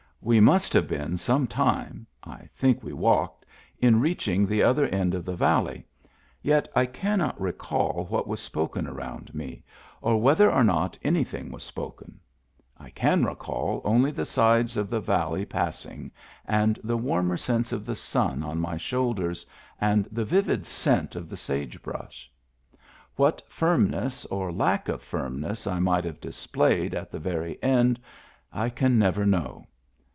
We must have been some time — I think we walked — in reaching the other end of the valley, yet I cannot recall what was spoken around me, or whether or not anything Digitized by Google THE GIFT HORSE 201 was spoken; I can recall only the sides of the valley passing, and the warmer sense of the sun on my shoulders, and the vivid scent of the sage brush. What firmness or lack of firmness I might have displayed at the very end I can never know.